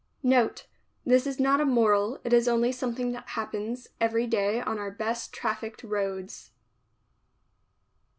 Note — This is not a moral, it is only something that happens every day on our best trafficked roads.